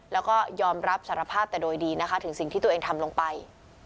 แล้วก็ยอมรับสารภาพแต่โดยดีนะคะถึงสิ่งที่ตัวเองทำลงไป